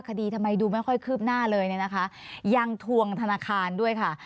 คดีทำไมดูไม่ค่อยคืบหน้าเลยเนี่ยนะคะยังทวงธนาคารด้วยค่ะ